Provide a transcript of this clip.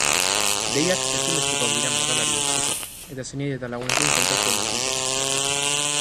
Deiak ezinbestekoak dira moralari eusteko eta senide eta lagunekin kontaktua mantentzeko.